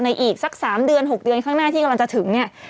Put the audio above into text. อีกสัก๓เดือน๖เดือนข้างหน้าที่กำลังจะถึงเนี่ย